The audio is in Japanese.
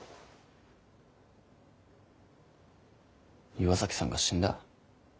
岩崎さんが死んだ？